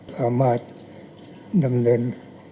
สามารถดำเนิน